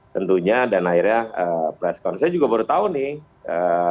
tentunya dan akhirnya pres konsep juga baru tahu nih